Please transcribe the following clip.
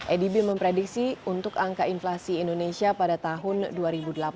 adb memiliki persyaratan yang sangat baik dan memiliki persyaratan yang sangat baik